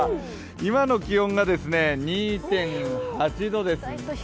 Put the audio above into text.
今の気温が２．８度です。